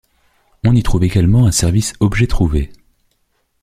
On y trouve également un service objets trouvés.